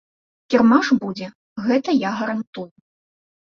Кірмаш будзе, гэта я гарантую.